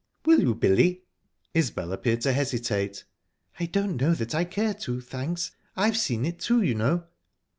"Will you, Billy?" Isbel appeared to hesitate..."I don't know that I care to, thanks. I've seen it, too, you know."